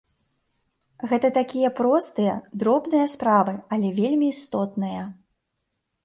Гэта такія простыя, дробныя справы, але вельмі істотныя.